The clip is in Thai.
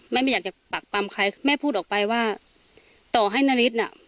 ไม่ไม่อยากจะปากปำใครแม่พูดออกไปว่าต่อให้นาริสน่ะ